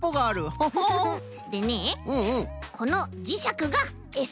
ホホ。でねこのじしゃくがエサ。